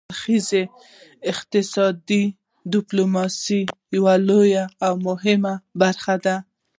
دوه اړخیزه اقتصادي ډیپلوماسي یوه لویه او مهمه برخه ده